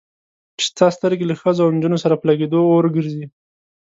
چې ستا سترګې له ښځو او نجونو سره په لګېدو اور ګرځي.